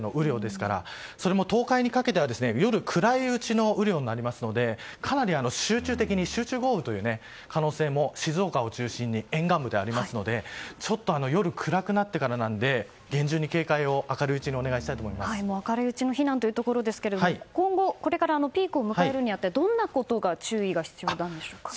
しかも東海にかけては夜暗いうちの雨量になりますのでかなり集中豪雨という可能性も静岡を中心に沿岸部ではありますので夜暗くなってからなので厳重に警戒を明るいうちに明るいうちの避難ということですけども今後ピークを迎えるに当たりどんなことに注意が必要なんでしょうか。